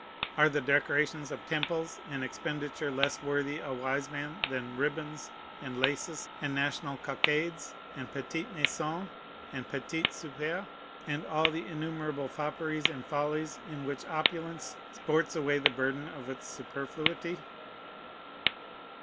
Are the decorations of temples an expenditure less worthy a wise man than ribbons, and laces, and national cockades, and petit maisons, and petit soupers, and all the innumerable fopperies and follies in which opulence sports away the burden of its superfluity?